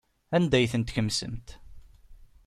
Anda ay ten-tkemsemt?